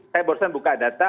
saya baru saja buka data